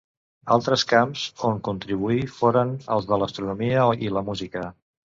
Altres camps on contribuí foren els de l'astronomia i la música.